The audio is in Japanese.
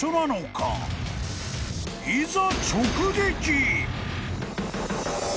［いざ］